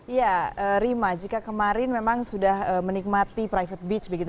ya rima jika kemarin memang sudah menikmati private beach begitu